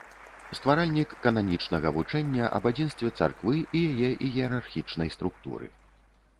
Стваральнік кананічнага вучэння аб адзінстве царквы і яе іерархічнай структуры.